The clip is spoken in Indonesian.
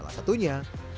salah satunya homestay